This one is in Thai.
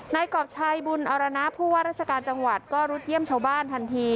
กรอบชัยบุญอรณะผู้ว่าราชการจังหวัดก็รุดเยี่ยมชาวบ้านทันที